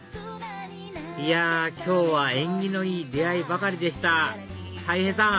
いや今日は縁起のいい出会いばかりでしたたい平さん